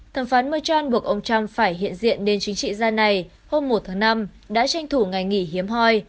thẩm phán mechon buộc ông trump phải hiện diện nền chính trị gia này hôm một tháng năm đã tranh thủ ngày nghỉ hiếm hoi